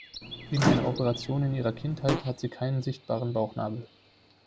Wegen einer Operation in ihrer Kindheit hat sie keinen sichtbaren Bauchnabel.